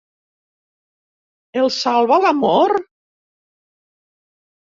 El salva l'amor?